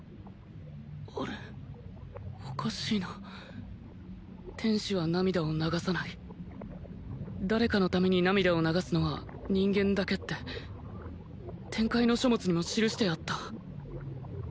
あれおかしいな天使は涙を流さない誰かのために涙を流すのは人間だけって天界の書物にも記してあった